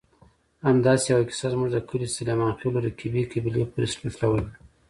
همداسې یوه کیسه زموږ د کلي سلیمانخېلو رقیبې قبیلې پورې نښلولې.